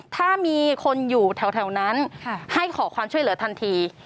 ถ้ามีคนอยู่แถวนั้นให้ขอความช่วยเหลือทันที